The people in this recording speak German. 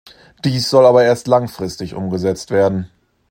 Dies soll aber erst langfristig umgesetzt werden.